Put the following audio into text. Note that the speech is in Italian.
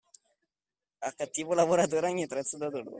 A cattivo lavoratore ogni attrezzo da dolore.